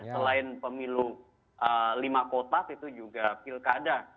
selain pemilu lima kotak itu juga pilkada